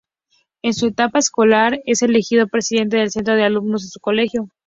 En su etapa escolar es elegido Presidente del Centro de Alumnos de su colegio.